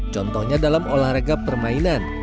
contohnya dalam olahraga permainan